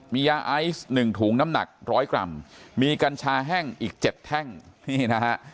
มียาไอซ์๑ถุงน้ำหนักร้อยกรัมมีกัญชาแห้งอีก๗แท่งนี่นะฮะ